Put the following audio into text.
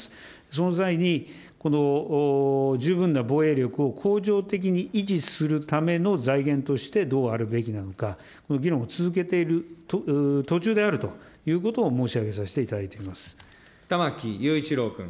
その際に、この十分な防衛力を恒常的に維持するための財源としてどうあるべきなのか、この議論を続けている途中であるということを申し上げ玉木雄一郎君。